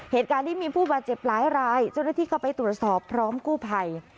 เหตุการณ์นี้มีผู้บาดเจ็บหลายรายเจ้าหน้าที่เข้าไปตรวจสอบพร้อมกู้ภัย